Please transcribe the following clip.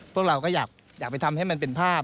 พวกเราก็อยากไปทำให้มันเป็นภาพ